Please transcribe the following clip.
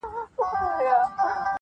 رقیبانو په پېغور ډېر په عذاب کړم-